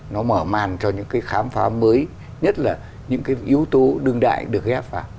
nó mở màn cho những khám phá mới nhất là những yếu tố đương đại được ghép vào